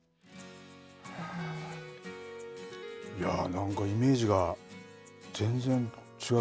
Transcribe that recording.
なんかイメージが全然違う。